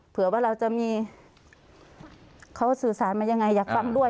เผื่อว่าเราจะมีเขาสื่อสารมายังไงอยากฟังด้วย